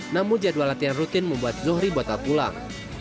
namun jadwal latihan rutin membuat zohri batal pulang